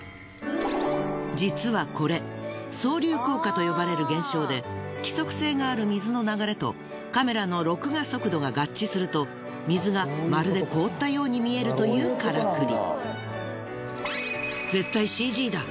実はこれ層流効果と呼ばれる現象で規則性がある水の流れとカメラの録画速度が合致すると水がまるで凍ったように見えるというカラクリ。